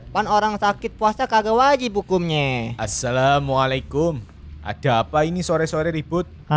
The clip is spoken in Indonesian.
pan orang sakit puasa kaget wajib hukumnya assalamualaikum ada apa ini sore sore ribut